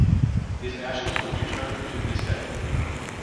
His ashes were returned to his family.